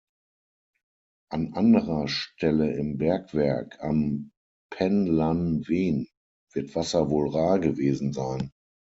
An anderer Stelle im Bergwerk, am Pen-lan-wen, wird Wasser wohl rar gewesen sein.